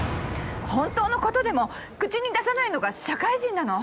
本当の事でも口に出さないのが社会人なの。